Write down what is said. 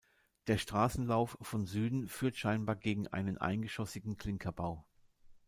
Der Straßenlauf von Süden führt scheinbar gegen einen eingeschossigen Klinkerbau.